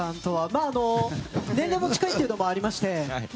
まあ、年齢も近いというのもありまして。